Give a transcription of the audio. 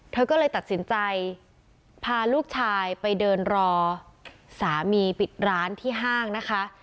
เธอก็เลยตัดสินใจพาลูกชายไปเดินรอสามีปิดร้านที่ห้างนะคะ